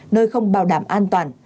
nơi không bảo đảm an toàn